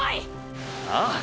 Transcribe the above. ああ！！